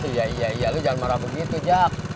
iya iya iya lo jangan marah begitu cak